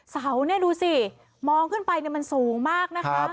เสาเนี่ยดูสิมองขึ้นไปมันสูงมากนะคะ